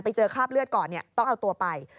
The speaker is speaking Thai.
ไปเจอคราบเลือดก่อนต้องเอาตัวไป